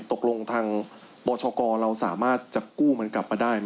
ตกลงทางบชกรเราสามารถจะกู้มันกลับมาได้ไหม